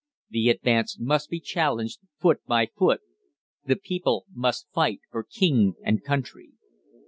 The ADVANCE must be CHALLENGED FOOT BY FOOT. The people must fight for King and Country.